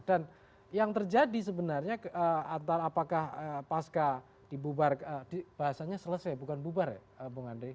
dan yang terjadi sebenarnya antara apakah pasca dibubar bahasanya selesai bukan bubar ya bung andri